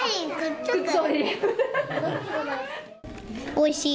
おいしい。